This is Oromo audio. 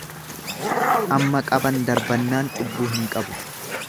Amma qaban darbannaan cubbuu hin qabu.